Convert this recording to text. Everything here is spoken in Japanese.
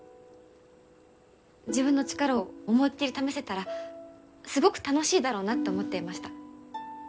自分の力を思いっきり試せたらすごく楽しいだろうなって思っていました。